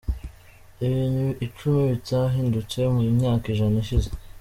Ibintu icumi bitahindutse mu myaka ijana ishize